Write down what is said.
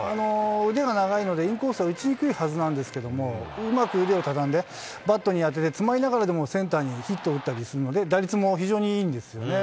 腕が長いので、インコースは打ちにくいはずなんですけど、うまく腕を畳んで、バットに当てて、詰まりながらでもセンターにヒットを打ったりするので、打率も非常にいいんですよね。